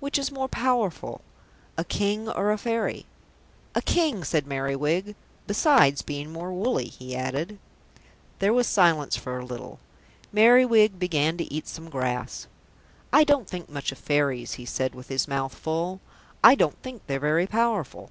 "Which is more powerful, a King or a Fairy?" "A King," said Merriwig. "Besides being more woolly," he added. There was silence for a little. Merriwig began to eat some grass. "I don't think much of Fairies," he said with his mouth full. "I don't think they're very powerful."